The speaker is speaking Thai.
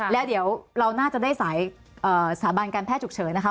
แล้วเดี๋ยวเราน่าจะได้สายสถาบันการแพทย์ฉุกเฉินนะคะ